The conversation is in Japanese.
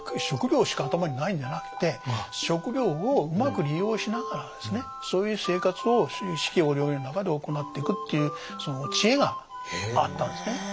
食料しか頭にないんじゃなくて食料をうまく利用しながらですねそういう生活を四季折々の中で行っていくっていうその知恵があったんですね。